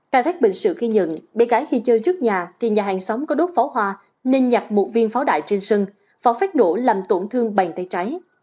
cảm phát bệnh sự khi nhận bé gái khi chơi trước nhà thì nhà hàng xóm có đốt pháo hoa nên nhặt một viên pháo đại trên sân pháo phát nổ làm tổn thương bàn tay trái